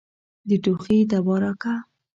د ټوخي دوا راکه.